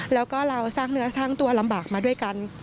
แล้วก็เราสร้างเนื้อสร้างตัวลำบากมาด้วยกัน